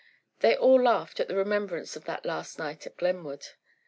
They all laughed at the remembrance of that last night at Glenwood.